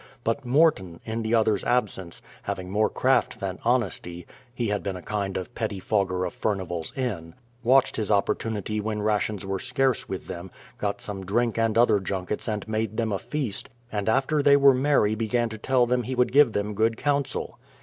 But Morton, in the others' absence, having more craft than honesty — he had been a kind of petti fogger of Furnival's Inn — watched his opportunity when rations were scarce with them, got some drink and other junkets and made them a feast, and after they were merry began to tell them he would give them good counsel.